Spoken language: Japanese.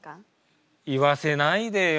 言わせないでよ。